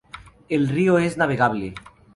El río es navegable.